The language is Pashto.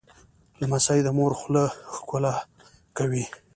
لمسی د مور خوله ښکوله کوي.